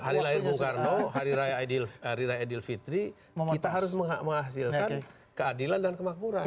hari lahir bukarno hari raya edil fitri kita harus menghasilkan keadilan dan kemakmuran